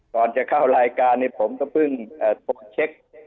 ก่อนจะเข้ารายการผมก็เพิ่งเช็ค